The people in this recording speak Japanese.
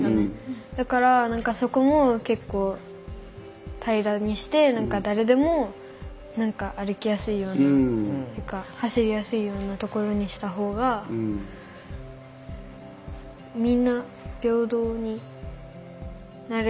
だから何かそこも結構平らにして誰でも何か歩きやすいような走りやすいような所にした方がみんな平等になれる気がする。